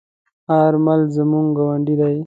آرمل زموږ گاوندی دی.